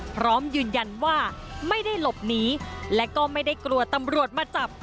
พร้อมยืนยันว่าไม่ได้หลบหนีและก็ไม่ได้กลัวตำรวจมาจับ